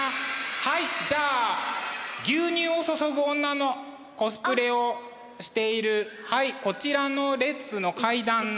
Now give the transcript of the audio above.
はいじゃあ「牛乳を注ぐ女」のコスプレをしているはいこちらの列の階段の。